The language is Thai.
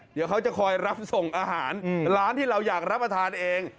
เดี๋ยวเขาจะคอยรับส่งอาหารร้านที่เราอยากรับประทานเอง